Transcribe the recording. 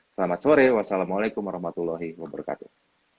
selamat sore wassalamualaikum warahmatullahi wabarakatuh